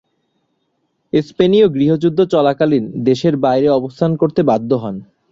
স্পেনীয় গৃহযুদ্ধ চলাকালীন দেশের বাইরে অবস্থান করতে বাধ্য হন।